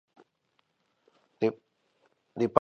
The population is racially diverse, and mostly married couples.